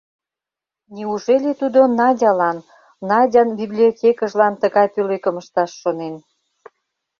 Неужели тудо Надялан, Надян библиотекыжлан тыгай пӧлекым ышташ шонен?